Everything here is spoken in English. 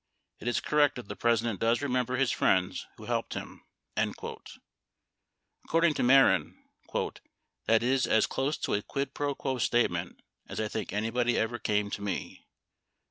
It is correct that, the President does remem ber his friends who helped him." According to Mehren, "that is as close to a quid pro quo statement as I think anybody ever came to me."